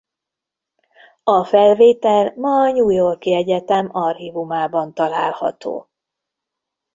A felvétel ma a New York-i Egyetem Archívumában található.